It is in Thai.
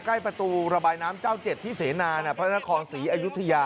ใกล้ประตูระบายน้ำเจ้าเจ็ดที่เสนาพระนครศรีอยุธยา